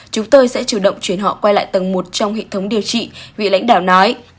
chúng tôi sẽ chủ động chuyển họ quay lại tầng một trong hệ thống điều trị vị lãnh đạo nói